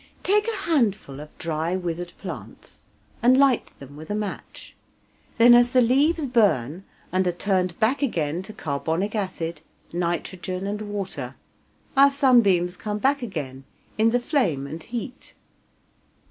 Take a handful of dry withered plants and light them with a match, then as the leaves burn and are turned back again to carbonic acid, nitrogen, and water, our sunbeams come back again in the flame and heat.